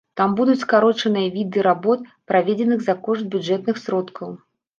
Там будуць скарочаныя віды работ, праведзеных за кошт бюджэтных сродкаў.